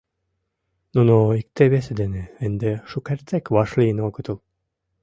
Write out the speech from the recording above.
Нуно икте-весе дене ынде шукертсек вашлийын огытыл.